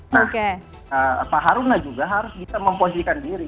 nah pak haruna juga harus kita mempunyai diri